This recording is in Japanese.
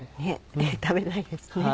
食べたいですね。